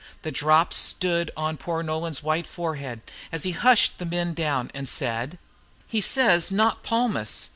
The drops stood on poor Nolan's white forehead, as he hushed the men down, and said: "He says, 'Not Palmas.'